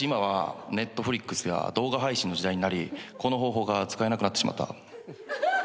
しかし今はＮｅｔｆｌｉｘや動画配信の時代になりこの方法が使えなくなってしまった。